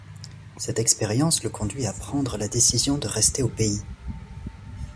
Cette expérience le conduit à prendre la décision de rester au pays.